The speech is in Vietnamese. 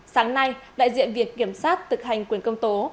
sáng nay đại diện việc kiểm soát thực hành quyền công tố